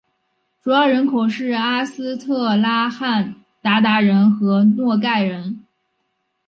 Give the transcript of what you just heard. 主要人口是阿斯特拉罕鞑靼人与诺盖人。